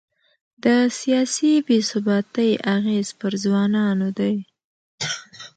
د سیاسي بې ثباتۍ اغېز پر ځوانانو دی.